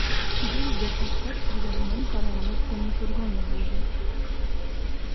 Гөл бер тапҡыр, эргәһенән ҡарауан үткәнен күргәне булды.